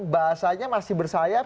bahasanya masih bersayap